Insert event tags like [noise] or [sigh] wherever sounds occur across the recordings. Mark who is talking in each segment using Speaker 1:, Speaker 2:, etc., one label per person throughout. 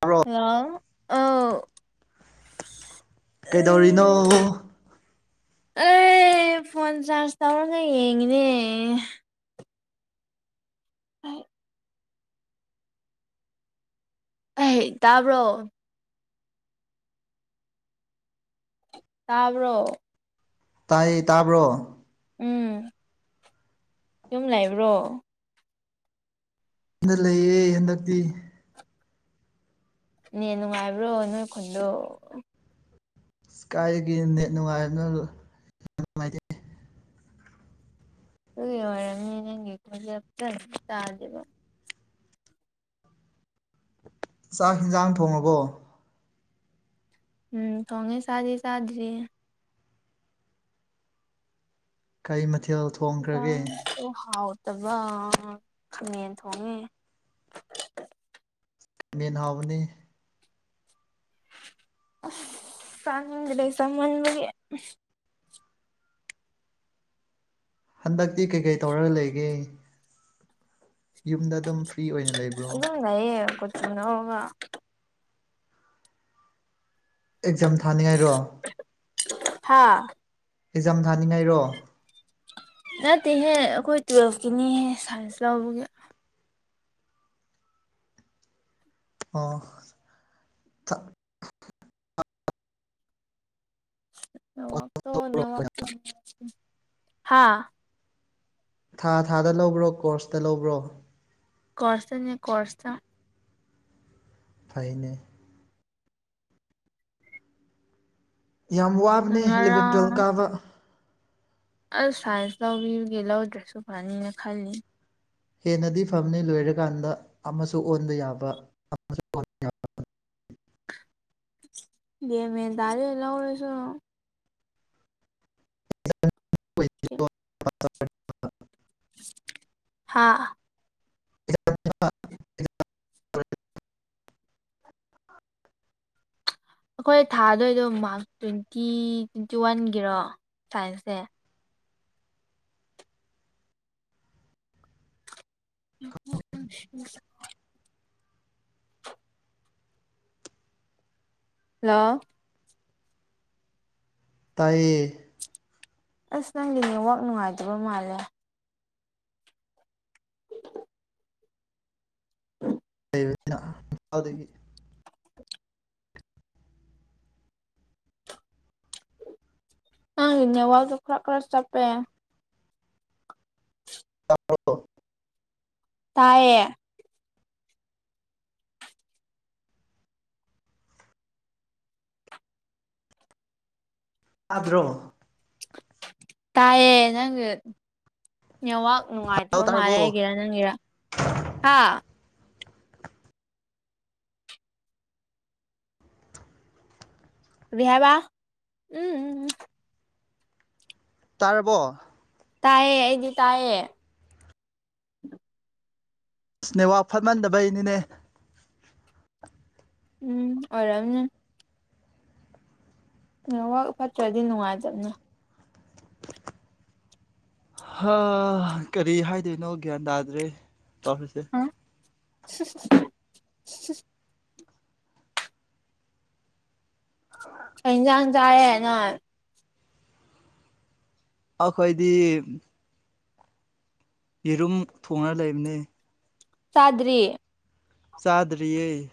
Speaker 1: ꯇꯥꯕ꯭ꯔꯣ
Speaker 2: ꯌꯥ ꯑ [unintelligible]
Speaker 1: ꯀꯩꯗꯧꯔꯤꯅꯣ
Speaker 2: ꯑꯩ ꯐꯣꯟ ꯆꯥꯔꯖ ꯇꯧꯔꯒ ꯌꯦꯡꯉꯤꯅꯦ ꯑ [unintelligible] ꯑ ꯍꯦꯛ ꯇꯥꯕ꯭ꯔꯣ ꯇꯕ꯭ꯔꯣ
Speaker 1: ꯇꯥꯏ ꯇꯥꯕ꯭ꯔꯣ
Speaker 2: ꯎꯝ ꯌꯨꯝ ꯂꯩꯕ꯭ꯔꯣ
Speaker 1: ꯌꯨꯝꯗ ꯂꯩꯌꯦ ꯍꯟꯗꯛꯇꯤ
Speaker 2: ꯅ‌ꯦꯠ ꯅꯨꯡꯉꯥꯏꯕ꯭ꯔꯣ ꯅꯣꯏ ꯈꯨꯟꯗꯣ
Speaker 1: ꯏꯁꯀꯥꯏꯗꯒꯤ ꯅꯦꯠ ꯅꯨꯡꯉꯥꯏꯕꯅꫭꯗ ꯅꯨꯡꯉꯥꯏꯇꯦ
Speaker 2: ꯒꯤꯔꯦ ꯈꯖ [unintelligible] ꯇꯥꯖꯕ
Speaker 1: ꯆꯥꯛ ꯍꯦꯟꯁꯥꯡ ꯊꯣꯡꯉꯕꯣ
Speaker 2: ꯎꯝ ꯇꯣꯡꯉꯦ ꯁꯥꯗꯝ ꯁꯥꯗ꯭ꯔꯤ
Speaker 1: ꯀꯩ ꯃꯊꯦꯜ ꯊꯣꯡꯈ꯭ꯔꯒꯦ
Speaker 2: ꯑꯣ ꯍꯥꯎ [unintelligible] [unintelligible] ꯈꯥꯃꯦꯜ ꯊꯣꯡꯉꯦ
Speaker 1: ꯃꯦꯟꯍꯥꯎꯕꯅꯤ
Speaker 2: ꯑꯁ [unintelligible]
Speaker 1: ꯍꯟꯗꯛꯇꯤ ꯀꯩꯀꯩ ꯇꯧꯔꯒ ꯂꯩꯒꯦ ꯌꯨꯝꯗ ꯑꯗꯨꯝ ꯐ꯭ꯔꯤ ꯑꯣꯏꯅ ꯂꯩꯕ꯭ꯔꯣ
Speaker 2: ꯎ ꯅ ꯀꯁꯨꯅ ꯍꯧ
Speaker 1: ꯑꯦꯛꯖꯥꯝ ꯊꯥꯅꯤꯡꯉꯥꯏꯔꯣ
Speaker 2: ꯍꯥꯥ
Speaker 1: ꯍꯖꯥꯝ ꯊꯥꯅꯤꯡꯉꯥꯏꯔꯣ
Speaker 2: ꯅꯠꯇꯦꯍꯦ ꯑꯩꯈꯣꯏ ꯇꯨꯋꯜꯐꯀꯤꯅꯤꯍꯦ ꯁꯥꯏꯟꯁ ꯂꯧꯕꯒꯤ
Speaker 1: ꯑꯣ
Speaker 2: ꯅ ꯅ ꯍꯥ [unintelligible]
Speaker 1: ꯊꯥ ꯊꯥꯗ ꯂꯧꯕ꯭ꯔꯣ ꯀꯣꯔꯁꯇ ꯂꯧꯕ꯭ꯔꯣ
Speaker 2: ꯀꯣꯔꯁꯇꯅꯤ ꯀꯣꯔꯁꯇ
Speaker 1: ꯐꯥꯏꯅꯦ ꯌꯥꯝ ꯋꯥꯕꯅꯦ ꯏꯂꯚꯦꯟ ꯇꯨꯋꯦꯜꯕ
Speaker 2: ꯉꯔꯥꯡ
Speaker 1: ꯀꯥꯕ
Speaker 2: ꯑꯁ ꯁꯥꯏꯟꯁ ꯇꯧꯕꯤꯒꯤ ꯂꯧꯗ꯭ꯔꯁꯨ ꯐꯅꯤꯅ ꯈꯜꯂꯤ
Speaker 1: ꯍꯦꯟꯅꯗꯤ ꯐꯝꯅꯤ ꯂꯣꯏꯔꯀꯥꯟꯗ ꯑꯃꯁꯨ ꯑꯣꯟꯕ ꯌꯥꯕ [unintelligible]
Speaker 2: ꯏꯃꯦ ꯇꯔ ꯂꯧꯔꯁꯨ ꯎ [unintelligible]
Speaker 1: [unintelligible]
Speaker 2: ꯍꯥꯥ
Speaker 1: [inaudible]
Speaker 2: ꯑꯩꯈꯣꯏ ꯊꯥꯗꯣꯏꯗꯣ ꯃꯥꯔꯛꯁ ꯇ꯭ꯋꯦꯟꯇꯤ ꯇ꯭ꯋꯦꯟꯇꯤ ꯋꯥꯟꯒꯤꯔꯣ ꯁꯥꯏꯟꯁꯁꯦ ꯑ ꯎ [unintelligible] ꯂꯣ
Speaker 1: ꯇꯌꯦ
Speaker 2: ꯑꯁ ꯅꯪꯒꯤ ꯅꯋꯥꯛ ꯅꯨꯡꯉꯥꯏꯇꯕ ꯃꯥꯜꯂꯦ ꯑꯣ
Speaker 1: ꯗꯒꯤ [unintelligible]
Speaker 2: ꯍꯪꯅꯦ ꯋꯥꯗ ꯈꯔ ꯈꯔꯁ ꯆꯄꯦ
Speaker 1: ꯑꯂꯣ
Speaker 2: ꯇꯌꯦ
Speaker 1: ꯑꯥꯗ꯭ꯔꯣ
Speaker 2: ꯇꯥꯏꯦ ꯅꯪ ꯅꯋꯥꯛ
Speaker 1: ꯍꯜꯂꯣ
Speaker 2: ꯅꯨꯡꯉꯥꯏꯇꯕ
Speaker 1: ꯇꯥꯔꯕꯣ
Speaker 2: ꯃꯥꯜꯂꯦ ꯑꯩꯒꯤꯔꯥ ꯅꯪꯒꯤꯔꯥ ꯍꯥ ꯍꯕ ꯎꯝ ꯎꯝ
Speaker 1: ꯇꯥꯔꯕꯣ
Speaker 2: ꯇꯥꯌꯦ ꯑꯩꯗꯤ ꯇꯥꯌꯦ
Speaker 1: ꯅꯦꯋꯥ ꯐꯠꯃꯟꯗꯕꯩꯅꯤꯅꯦ
Speaker 2: ꯎꯝ ꯑꯣꯏꯔꯝꯅꯤ ꯐꯠꯇ꯭ꯔꯗꯤ ꯅꯨꯡꯉꯥꯏꯇꯕꯅꯦ
Speaker 1: ꯍꯥ ꯀꯔꯤ ꯍꯥꯏꯗꯣꯏꯅꯣ ꯒ꯭ꯌꯥꯟ ꯇꯥꯗ꯭ꯔꯦ ꯇꯥꯄꯤꯁꯦ
Speaker 2: [unintelligible] ꯏ ꯏꯟꯖꯥꯡ ꯆꯑꯅ
Speaker 1: ꯑꯩꯈꯣꯏꯗꯤ ꯌꯦꯔꯨꯝ ꯊꯣꯡꯅ ꯂꯩꯕꯅꯦ
Speaker 2: ꯆꯗ꯭ꯔꯤ
Speaker 1: ꯆꯥꯗꯔꯤꯔꯤꯩ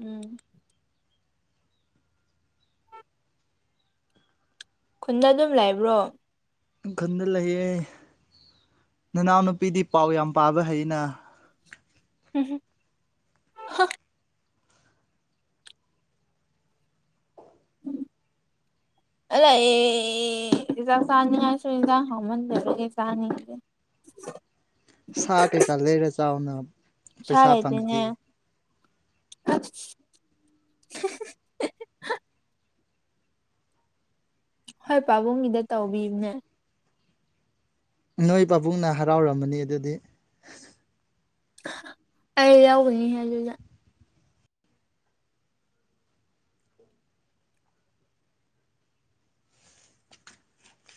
Speaker 2: ꯎꯝ ꯈꯨꯟꯗ ꯑꯗꯨꯝ ꯂꯩꯕ꯭ꯔꯣ
Speaker 1: ꯈꯟꯗ ꯂꯩꯌꯦ ꯅꯅꯥꯎ ꯅꯨꯄꯤꯗꯤ ꯄꯥꯎ ꯌꯥꯝ ꯄꯥꯕ ꯍꯩꯅ
Speaker 2: ꯎꯝꯝ
Speaker 1: [unintelligible]
Speaker 2: ꯑ ꯑꯦꯖꯥꯅꯤꯁꯨꯖ ꯍꯃꯟ ꯆꯅꯤ
Speaker 1: ꯁꯥ ꯀꯩꯀꯥ ꯂꯩꯔꯦ ꯆꯥꯎꯅ ꯄꯩꯁꯥ
Speaker 2: ꯁꯔꯦꯗꯤꯅꯦ
Speaker 1: ꯐꯪꯉꯗꯤ
Speaker 2: ꯑ ꯍꯣꯏ ꯄꯥꯕꯨꯡꯒꯤꯗ ꯇꯧꯕꯤꯅꯦ
Speaker 1: ꯅꯣꯏ ꯄꯥꯕꯨꯡꯅ ꯍꯔꯥꯎꯔꯝꯕꯅꯤ ꯑꯗꯨꯗꯤ
Speaker 2: ꯑꯩ ꯌꯥꯎꯒꯅꯤ ꯑꯗꯨꯗ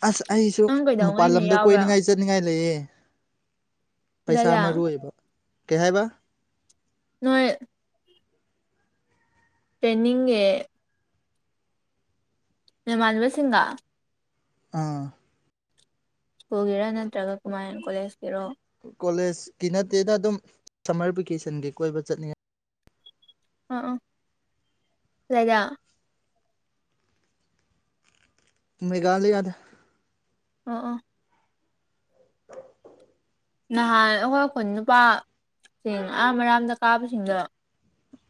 Speaker 1: ꯑꯁ ꯑꯩꯁꯨ
Speaker 2: ꯅꯪ
Speaker 1: ꯃꯄꯥꯟ
Speaker 2: ꯀꯩꯗꯧꯉꯩꯅ
Speaker 1: ꯂꯝꯗ
Speaker 2: ꯌꯥꯎꯕ꯭ꯔꯥ
Speaker 1: ꯀꯣꯏꯅꯤꯡꯉꯥꯏ ꯆꯠꯅꯤꯡꯉꯥꯏ ꯂꯩꯌꯦ ꯄꯩꯁꯥ
Speaker 2: ꯀꯗꯥꯏꯗ
Speaker 1: ꯃꯔꯨ ꯑꯣꯏꯕ ꯀꯩ ꯍꯥꯏꯕ
Speaker 2: ꯅꯥꯏ ꯄꯅꯤꯡꯉꯦ ꯔꯃꯜꯕ ꯁꯤꯡ
Speaker 1: ꯑꯥ
Speaker 2: ꯁ꯭ꯀꯨꯜꯒꯤꯔꯥ ꯅꯠꯇ꯭ꯔꯒ ꯀꯨꯃꯥꯟ ꯀꯣꯂꯦꯖꯀꯤꯔꯣ
Speaker 1: ꯀꯣꯂꯦꯖꯀꯤ ꯅꯠꯇꯦꯅ ꯑꯗꯨꯝ ꯁꯝꯃꯔ ꯚꯦꯀꯦꯁꯟꯒꯤ ꯀꯣꯏꯕ ꯆꯠꯅꯤꯡꯉꯦ
Speaker 2: ꯑꯥ ꯑ ꯂꯩꯗꯥ
Speaker 1: ꯃꯦꯘꯂꯌꯥꯗ
Speaker 2: ꯑ ꯑ ꯅꯍꯥꯟ ꯑꯩꯈꯣꯏ ꯑꯩꯈꯣꯏ ꯅꯨꯄꯥꯁꯤꯡ ꯑꯔꯥꯝ ꯑꯔꯥꯝꯗ ꯀꯥꯕꯁꯤꯡꯗꯣ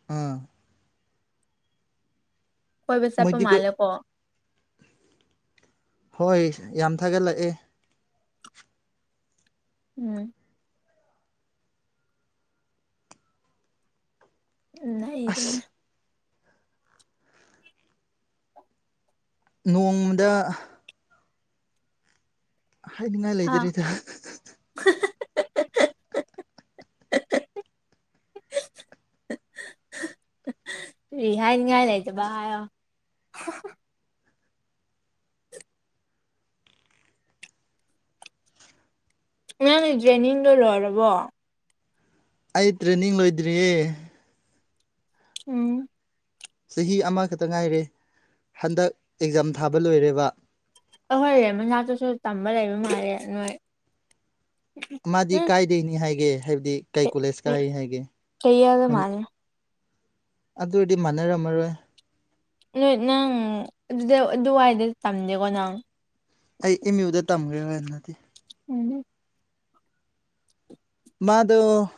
Speaker 1: ꯎꯝ
Speaker 2: ꯍꯣꯏꯕ ꯆꯥꯄꯣ
Speaker 1: ꯃꯣꯏꯗꯤ ꯀꯣꯏ
Speaker 2: ꯃꯥꯜꯦꯀꯣ
Speaker 1: ꯍꯣꯏ ꯌꯥꯝ ꯊꯥꯒꯠꯂꯛꯑꯦ
Speaker 2: ꯎꯝ ꯎꯝ
Speaker 1: ꯑꯁ
Speaker 2: ꯏꯗꯦꯅꯦ
Speaker 1: ꯅꯣꯡꯃꯗ ꯍꯥꯏꯅꯤꯡꯉꯥꯏ
Speaker 2: ꯍꯥ
Speaker 1: ꯂꯩꯖꯔꯤꯦꯗ [unintelligible]
Speaker 2: ꯔꯤꯍꯥꯏ ꯅꯤꯡꯅꯤꯉꯥꯏ ꯂꯩꯇꯕꯣ ꯅꯪꯅ ꯗ꯭ꯔꯦꯅꯤꯡꯗꯣ ꯂꯣꯏꯔꯕꯣ
Speaker 1: ꯑꯩ ꯇ꯭ꯔꯦꯅꯤꯡ ꯂꯣꯏꯗ꯭ꯔꯤꯌꯦ
Speaker 2: ꯎꯝ
Speaker 1: ꯆꯍꯤ ꯑꯃꯈꯛꯇ ꯉꯥꯏꯔꯦ ꯍꯟꯗꯛ ꯑꯦꯛꯖꯥꯝ ꯊꯥꯕ ꯂꯣꯏꯔꯦꯕ
Speaker 2: ꯑꯍꯣꯏꯔꯦ ꯃꯅꯥꯛꯇꯨꯁꯨ ꯇꯝꯕ ꯂꯩꯕ ꯃꯥꯜꯂꯦ ꯅꯣꯏ
Speaker 1: ꯃꯥꯗꯤ
Speaker 2: ꯎꯝ
Speaker 1: ꯀꯥꯏꯗꯣꯏꯅꯤ ꯍꯥꯏꯒꯦ ꯍꯥꯏꯕꯗꯤ ꯀꯩ ꯀꯣꯂꯦꯖ ꯀꯥꯏ ꯍꯥꯏꯒꯦ
Speaker 2: ꯆꯩꯌꯦꯜꯗ ꯃꯥꯜꯂꯦ
Speaker 1: ꯑꯗꯨ ꯑꯣꯏꯔꯗꯤ ꯃꯥꯟꯅꯔꯝꯃꯔꯣꯏ
Speaker 2: ꯅꯣꯏ ꯅꯪ ꯑꯗꯨꯗ ꯑꯗꯨꯋꯥꯏꯗ ꯇꯝꯗꯦꯀꯣ ꯅꯪ
Speaker 1: ꯑꯩ ꯏꯃꯤ ꯎꯗ ꯊꯝꯒꯦ ꯍꯥꯏꯅ
Speaker 2: ꯎꯝ
Speaker 1: ꯃꯥꯗ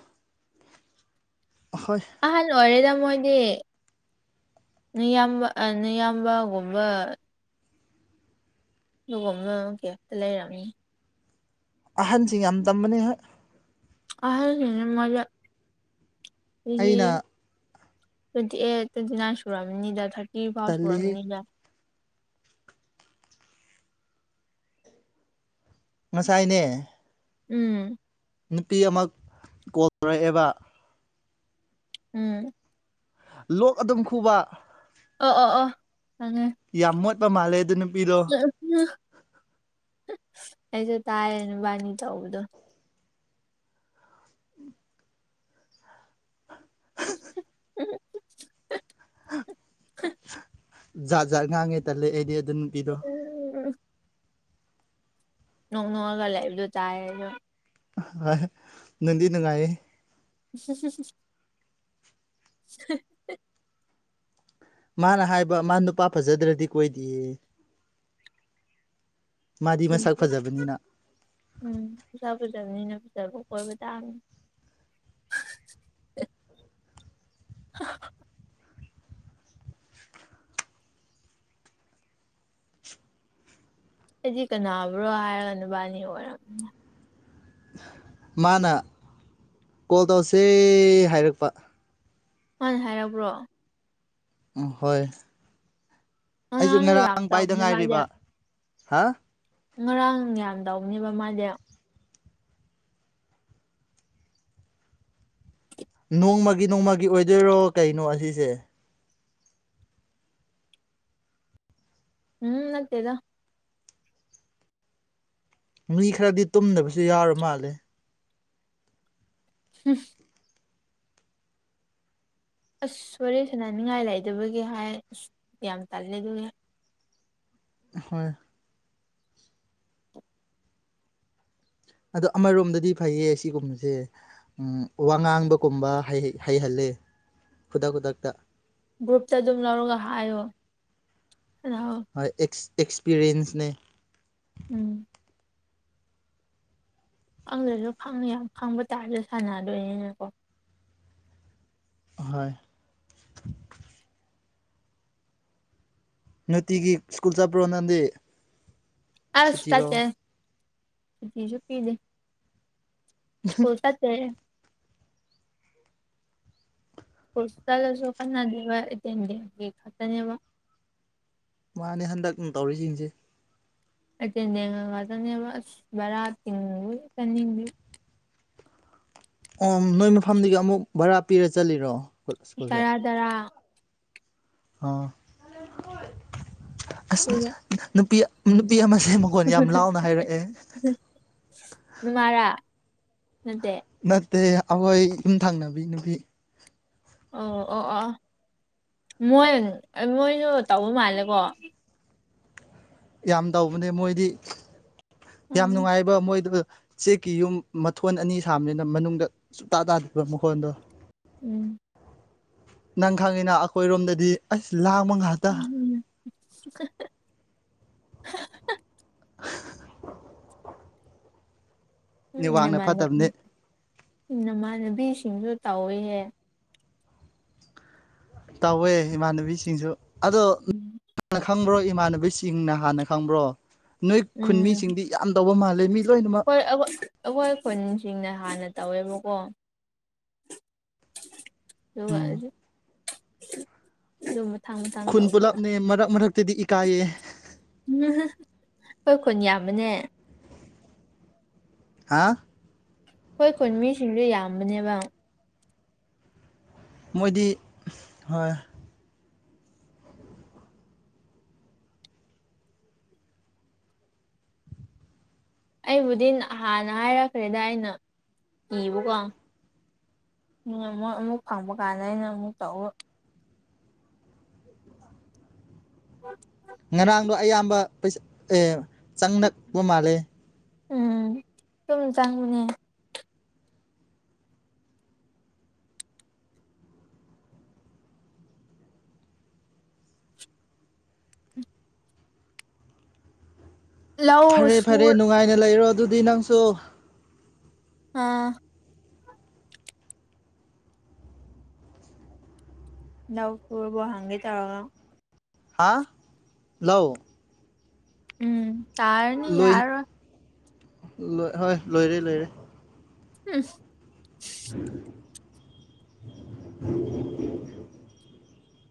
Speaker 2: ꯑ ꯍꯜꯂꯣ ꯋꯥꯔꯤꯔꯦꯗ ꯃꯣꯏꯗꯤꯌꯥꯝꯕ ꯅꯌꯥꯝꯕꯒꯨꯝꯕ ꯑꯗꯨꯒ ꯑꯃꯅ ꯀꯦꯇ ꯂꯩꯔꯑꯝꯅꯤ
Speaker 1: ꯑꯍꯟꯁꯤꯡ ꯌꯥꯝ ꯇꯝꯕꯅꯦ ꯍꯣꯏ
Speaker 2: ꯍꯥꯏ ꯃꯖꯥ ꯍ
Speaker 1: ꯑꯩꯅ
Speaker 2: ꯇ꯭ꯋꯦꯟꯇꯤ ꯑꯦꯠ ꯇ꯭ꯋꯦꯟꯇꯤ ꯅꯥꯏꯟ ꯁꯨꯨꯔꯔꯕꯅꯤꯗ ꯊꯥꯔꯇꯤ ꯐꯥꯎ
Speaker 1: ꯇꯜꯂꯤꯍꯦ
Speaker 2: ꯁꯨꯔꯕꯅꯤꯗ
Speaker 1: ꯉꯁꯥꯏꯅꯦ
Speaker 2: ꯎꯝ
Speaker 1: ꯅꯨꯄꯤ ꯑꯃ ꯀꯣꯔꯛꯑꯦꯕ
Speaker 2: ꯎꯝ
Speaker 1: ꯂꯣꯛ ꯑꯗꯨꯝ ꯈꯨꯕ
Speaker 2: ꯑ ꯑꯣ ꯑ
Speaker 1: ꯌꯥꯝꯃꯣꯠꯄ ꯃꯥꯂꯦ ꯑꯗꯨꯅ
Speaker 2: ꯑꯩꯁꯨ ꯇꯥꯏꯅꯕꯥꯅꯤ ꯆꯧꯗꯣ ꯎꯝ
Speaker 1: ꯖꯖꯔ ꯉꯥꯡꯉꯦ ꯇꯦꯗꯤ
Speaker 2: ꯎꯝ ꯅꯣꯡ ꯅꯣꯡꯑꯒ ꯂꯩꯕꯗꯣ ꯇꯥꯏꯗ
Speaker 1: ꯅꯗꯤ ꯅꯨꯡꯉꯥꯏꯦ
Speaker 2: ꯎ [inaudible]
Speaker 1: ꯃꯥꯅ ꯍꯥꯏꯕ ꯃꯥ ꯅꯨꯄꯥ ꯐꯖꯗ꯭ꯔꯗꯤ ꯀꯣꯏꯗꯌꯦ
Speaker 2: ꯎꯝꯖꯕ꯭ꯔꯖꯅ ꯕꯨ ꯀ ꯇꯥ [inaudible] ꯑꯩꯗꯤ ꯀꯅꯥꯕ꯭ꯔꯣ ꯍꯥꯏꯔꯒ ꯅꯨꯕꯥꯅꯤ ꯑꯣꯏꯔꯕꯝꯅ
Speaker 1: ꯃꯥꯅ ꯀꯣꯜ ꯇꯧꯔꯁꯦ ꯍꯥꯏꯔꯛꯄ
Speaker 2: ꯍꯅ ꯍꯥꯏꯔꯕ꯭ꯔꯣ
Speaker 1: ꯑ ꯍꯣꯏ ꯑꯩꯁꯨ
Speaker 2: ꯉꯔꯥꯡꯗꯣ ꯌꯥꯝ
Speaker 1: ꯉꯔꯥꯡ ꯄꯥꯏꯗ
Speaker 2: ꯇꯧꯕꯅꯦ ꯃꯥꯗꯤ
Speaker 1: ꯉꯥꯏꯔꯤꯕ ꯍꯥ
Speaker 2: ꯉꯔꯥꯡ ꯌꯥꯝꯗꯧꯅꯦꯕ ꯃꯥꯗꯤ
Speaker 1: ꯅꯣꯡꯃꯒꯤ ꯅꯣꯡꯃꯒꯤ ꯑꯣꯏꯗꯣꯏꯔꯣ ꯀꯩꯅꯣ ꯑꯁꯤꯁꯦ
Speaker 2: ꯎꯝ ꯅꯠꯇꯦꯗ
Speaker 1: ꯃꯤ ꯈꯔꯗꯤ ꯇꯨꯝꯗꯕꯁꯨ ꯌꯥꯎꯔ ꯃꯥꯜꯂꯦ
Speaker 2: ꯍꯝ ꯑꯁ ꯁꯣꯔꯦ ꯁꯅꯥꯅꯤꯡꯉꯥꯏ ꯂꯩꯗꯕꯒꯤ ꯍꯥꯏ ꯑꯁ ꯌꯥꯝ ꯇꯥꯜꯂꯦ ꯑꯗꯨꯒꯒꯤ
Speaker 1: ꯍꯣꯏ ꯑꯗꯣ ꯑꯃꯔꯣꯝꯗꯗꯤ ꯐꯩꯌꯦ ꯑꯁꯤꯒꯨꯝꯕꯁꯦ ꯎ ꯋꯥꯉꯥꯡꯕꯒꯨꯝꯕ ꯍꯩꯍꯜꯂꯦ ꯈꯨꯗꯥ ꯈꯨꯗꯥꯇ
Speaker 2: ꯒ꯭ꯔꯨꯞꯇ ꯑꯗꯨꯝ ꯂꯧꯔꯒ ꯍꯥꯏꯌꯣ ꯁꯥꯟꯅꯧ
Speaker 1: ꯍꯣꯏ ꯑꯦꯛꯁꯄꯤꯔꯤꯌꯦꯟꯁꯅꯦ
Speaker 2: ꯎꯝ ꯑꯪꯗꯁꯨ ꯈꯪꯉꯦ ꯌꯥꯝ ꯈꯪꯕ ꯇꯥꯔꯁꯨ ꯁꯥꯟꯅꯗꯣꯏꯅꯤꯅꯀꯣ
Speaker 1: ꯍꯣꯏ ꯅꯨꯡꯇꯤꯒꯤ ꯁ꯭ꯀꯨꯜ ꯆꯠꯄ꯭ꯔꯣ ꯅꯪꯗꯤ
Speaker 2: ꯑꯁ
Speaker 1: ꯁꯨꯇꯤꯔꯣ
Speaker 2: ꯆꯠꯆꯦ ꯀꯤꯒꯨꯀꯤꯗꯦ ꯏꯁꯀꯨꯜ ꯆꯠꯇꯦꯍꯦ ꯄꯁ ꯆꯂꯁꯨꯣ ꯀꯥꯟꯅꯥ ꯗꯦꯕꯦꯟꯗꯤꯒ ꯈꯇꯅꯦꯕ
Speaker 1: ꯃꯥꯅꯦ ꯍꯟꯗꯛ ꯇꯧꯔꯤꯁꯤꯡꯁꯦ
Speaker 2: ꯑꯆꯉꯕ ꯕꯔ ꯇꯤꯡꯉ ꯀꯅꯤꯡꯗꯤ
Speaker 1: ꯑꯣ ꯅꯣꯏ ꯃꯐꯝꯗꯒꯤ ꯑꯃꯨꯛ ꯚꯔꯥ ꯄꯤꯔ ꯆꯠꯂꯤꯔꯣ
Speaker 2: ꯇꯔꯥ ꯇꯔꯥ
Speaker 1: ꯑ ꯑꯁ
Speaker 2: ꯑꯗꯨꯒ
Speaker 1: ꯅꯨꯄꯤ ꯅꯨꯄꯤ ꯑꯃꯁꯦ ꯃꯒꯣꯟ ꯌꯥꯝ ꯂꯥꯎꯅ ꯍꯥꯏꯔꯛꯑꯦ
Speaker 2: ꯅꯃꯥꯔꯥ ꯅꯠꯇꯦ
Speaker 1: ꯅꯠꯇꯦ ꯑꯩꯈꯣꯏ ꯌꯨꯝꯊꯪꯅꯕꯤ ꯅꯨꯕꯤ
Speaker 2: ꯑ ꯑꯣ ꯑꯣ ꯃꯣꯏ ꯃꯣꯏꯁꯨ ꯇꯧꯕ ꯃꯥꯜꯂꯦꯀꯣ
Speaker 1: ꯌꯥꯝ ꯇꯧꯕꯅꯦ ꯃꯣꯏꯗꯤ ꯌꯥꯝ
Speaker 2: ꯎꯝ
Speaker 1: ꯅꯨꯡꯉꯥꯏꯕ ꯃꯣꯏꯗ ꯆꯦꯛꯀꯤ ꯌꯨꯝ ꯃꯊꯣꯟ ꯑꯅꯤ ꯁꯥꯕꯅꯤꯅ ꯃꯅꯨꯡꯗ ꯁꯨꯇꯥ ꯇꯥꯗꯕ ꯃꯈꯣꯟꯗꯣ
Speaker 2: ꯎꯝ
Speaker 1: ꯅꯪ ꯈꯪꯉꯤꯅ ꯑꯩꯈꯣꯏꯔꯣꯝꯗꯗꯤ ꯑꯁ ꯂꯥꯡꯃ ꯉꯥꯛꯇ
Speaker 2: [inaudible] ꯎꯝ ꯏ
Speaker 1: ꯅꯦꯠꯋꯥꯛꯅ
Speaker 2: ꯅꯃꯥꯟꯅ
Speaker 1: ꯐꯠꯇꯕꯅꯤ
Speaker 2: ꯅꯃꯥꯟꯅꯕꯤꯁꯤꯡꯁꯨ ꯇꯧꯏꯤꯍꯦ
Speaker 1: ꯇꯧꯋꯦ ꯏꯃꯥꯟꯅꯕꯤꯁꯤꯡꯁꯨ ꯑꯗꯣꯅ ꯈꯪꯕ꯭ꯔꯣ ꯏꯃꯥꯟꯅꯕꯁꯤꯡꯅ ꯍꯥꯟꯅ ꯈꯪꯕ꯭ꯔꯣ ꯅꯣꯏ
Speaker 2: ꯎꯝ
Speaker 1: ꯈꯨꯟꯃꯤꯁꯤꯡꯗꯤ ꯌꯥꯝ ꯇꯧꯕ ꯃꯥꯜꯂꯦ ꯃꯤ ꯂꯣꯏꯅꯃꯛ
Speaker 2: ꯍꯣꯏ ꯑꯩꯈꯣꯏ ꯈꯨꯟꯁꯤꯡꯅ ꯍꯥꯟꯅ ꯇꯧꯋꯦꯕꯀꯣ
Speaker 1: ꯎꯝ
Speaker 2: [unintelligible] ꯊꯥꯡ ꯊꯥꯡ
Speaker 1: ꯈꯨꯟ
Speaker 2: ꯇꯧꯕꯦꯔ
Speaker 1: ꯄꯨꯂꯞꯅꯦ ꯃꯔꯛ ꯃꯔꯛꯇꯗꯤ ꯏꯀꯥꯏꯌꯦ
Speaker 2: ꯎꯝ ꯍꯣꯏ ꯀꯣ ꯌꯥꯝꯕꯅꯦ
Speaker 1: ꯍꯥ
Speaker 2: ꯑꯩꯈꯣꯏ ꯈꯨꯟ ꯃꯤꯁꯤꯡꯁ ꯌꯥꯝꯕꯅꯦꯕ
Speaker 1: ꯃꯣꯏꯗꯤ ꯍꯣꯏ
Speaker 2: ꯑꯩꯕꯨꯗꯤ ꯍꯥꯟꯅ ꯍꯥꯏꯔꯛꯈ꯭ꯔꯦꯗ ꯑꯩꯅ ꯏꯤꯕꯀꯣ ꯑꯃꯨꯛ ꯑꯃꯨꯛ ꯐꯪꯕ ꯀꯥꯟꯗ ꯑꯩꯅ ꯑꯃꯨꯛ ꯇꯧꯎ [inaudible]
Speaker 1: ꯉꯔꯥꯡꯗꯣ ꯑꯌꯥꯝꯕ ꯄꯩꯁ ꯑꯦ ꯆꯪꯛꯄ ꯃꯥꯜꯂꯦ
Speaker 2: ꯎꯝ ꯁꯨꯝ ꯆꯪꯕꯅꯦ ꯂꯧ
Speaker 1: ꯐꯔꯦ ꯐꯔꯦ
Speaker 2: ꯁꯨꯔ
Speaker 1: ꯅꯨꯡꯉꯥꯏꯅ ꯂꯩꯔꯣ ꯑꯗꯨꯗꯤ ꯅꯪꯁꯨ
Speaker 2: ꯑꯥ ꯅꯕꯄꯨꯔ ꯍꯒꯤ ꯇꯥꯥꯎꯒ
Speaker 1: ꯍꯥ ꯂꯣ
Speaker 2: ꯎꯝ ꯇꯔꯅꯤ ꯌꯥꯔꯣ
Speaker 1: ꯣꯏ ꯍꯣꯏ ꯂꯣꯏꯔꯦ ꯂꯣꯏꯔꯦ
Speaker 2: ꯎꯝ
Speaker 1: [inaudible]